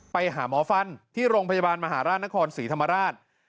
ไปหาหมอฟันที่โรงพยาบาลมหาราชนครศรีธรรมราช